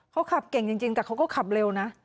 เขาขับเก่งจริงแต่เขาก็ขับเร็วนะ